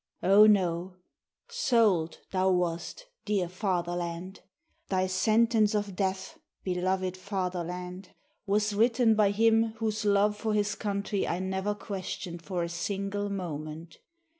O no ! sold, thou wast, dear Fatherland. Thy sentence of death, beloved Fatherland, was written by him whose love for his coun try I never questioned for a single moment.